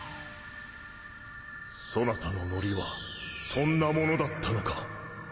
そなたのノリはそんなものだったのか？